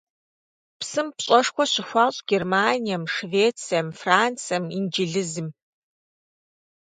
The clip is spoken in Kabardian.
Псым пщӀэшхуэ щыхуащӀ Германием, Швецием, Францием, Инджылызым.